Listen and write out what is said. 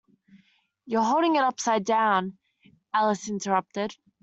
‘You’re holding it upside down!’ Alice interrupted.